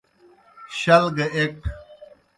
شل گہ ایْک۔